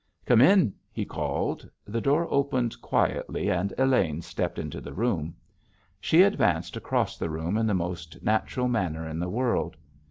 "Come in," he called. The door opened quietly, and Elaine stepped into the room. She advanced across the room in the most natural manner in the world.